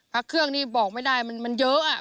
ผักเครื่องนี่บอกไม่ได้มันเยอะ